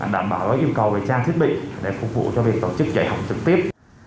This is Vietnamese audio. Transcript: đảm bảo yêu cầu về trang thiết bị để phục vụ cho việc tổ chức dạy học trực tiếp